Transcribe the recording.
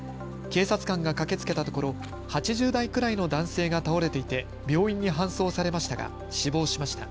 警察官が駆けつけたところ８０代くらいの男性が倒れていて病院に搬送されましたが死亡しました。